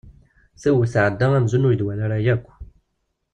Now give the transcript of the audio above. Tewwet tɛedda amzun ur iyi-d-twala ara akk.